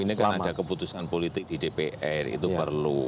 ini kan ada keputusan politik di dpr itu perlu